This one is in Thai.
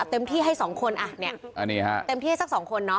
เต็มที่ให้สองคนอันนี้อันนี้ครับเต็มที่ให้สักสองคน